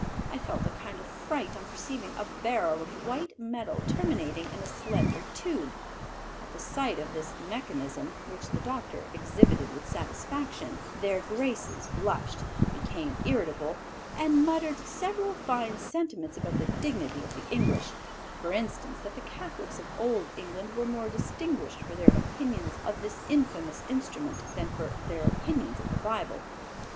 I felt a kind of fright on perceiving a barrel of white metal terminating in a slender tube. At the sight of this mechanism, which the doctor exhibited with satisfaction, Their Graces blushed, became irritable, and muttered several fine sentiments about the dignity of the English: for instance that the Catholics of old England were more distinguished for their opinions of this infamous instrument than for their opinions of the Bible.